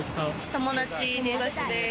友達です。